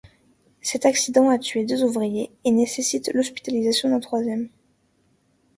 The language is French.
Cet accident a tué deux ouvriers et nécessité l'hospitalisation d'un troisième.